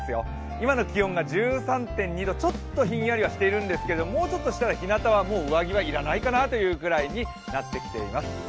今の気温が１３．２度、ちょっとひんやりしているんですけど、もうちょっとしたら日なたはもう上着は要らないかなというくらいになってきています。